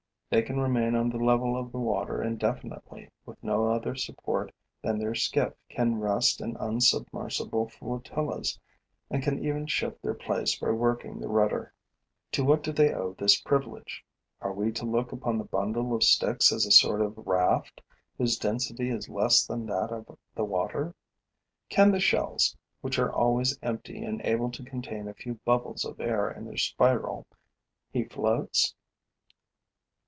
They can remain on the level of the water indefinitely, with no other support than their skiff, can rest in unsubmersible flotillas and can even shift their place by working the rudder. To what do they owe this privilege? Are we to look upon the bundle of sticks as a sort of raft whose density is less than that of the water? Can the shells, which are always empty and able to contain a few bubbles of air in their spiral, he floats?